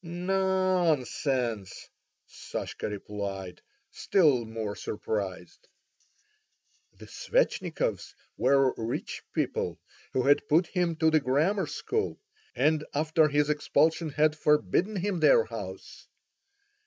"Non—sense," Sashka replied, still more surprised. The Svetchnikovs were rich people, who had put him to the grammar school, and after his expulsion had forbidden him their house.